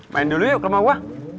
main dulu yuk ke rumah wah